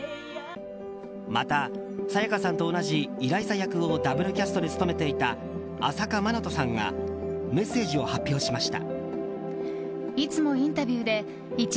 また、沙也加さんと同じイライザ役をダブルキャストで務めていた朝夏まなとさんがメッセージを発表しました。